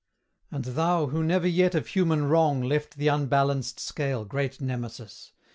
And thou, who never yet of human wrong Left the unbalanced scale, great Nemesis!